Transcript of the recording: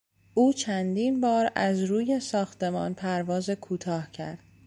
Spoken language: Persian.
او چندین بار از روی ساختمان پرواز کوتاه کرد